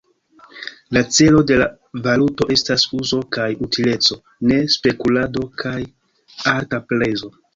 La celo de la valuto estas uzo kaj utileco, ne spekulado kaj alta prezo.